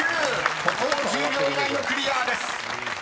ここも１０秒以内のクリアです］